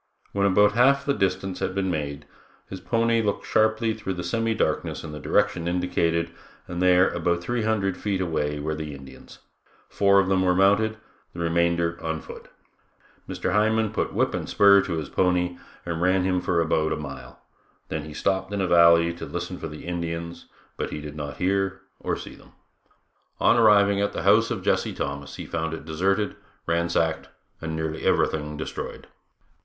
When about one half the distance had been made, his pony looked sharply through the semi darkness in the direction indicated and there about three hundred feet away were the Indians; four of them were mounted, the remainder on foot. Mr. Hindman put whip and spur to his pony and ran him for about a mile, then he stopped in a valley to listen for the Indians, but he did not hear or see them. On arriving at the house of Jesse Thomas he found it deserted, ransacked and nearly everything destroyed.